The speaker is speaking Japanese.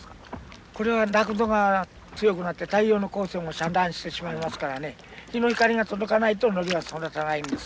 これは濁度が強くなって太陽の光線を遮断してしまいますからね日の光が届かないとノリが育たないんです。